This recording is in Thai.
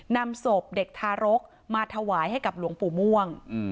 นำศพเด็กทารกมาถวายให้กับหลวงปู่ม่วง